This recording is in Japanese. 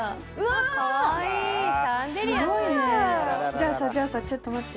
じゃあさじゃあさちょっと待って。